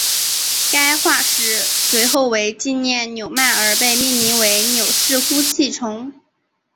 该化石随后为纪念纽曼而被命名为纽氏呼气虫。